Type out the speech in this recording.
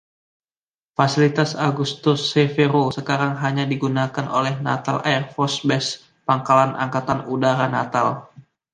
Fasilitas Augusto Severo sekarang hanya digunakan oleh Natal Air Force Base (Pangkalan Angkatan Udara Natal).